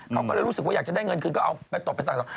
เขาก็เลยรู้สึกว่าอยากจะได้เงินคืนก็เอาไปตบไปสั่งต่อ